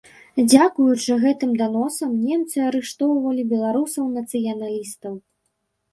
Дзякуючы гэтым даносам, немцы арыштоўвалі беларусаў-нацыяналістаў.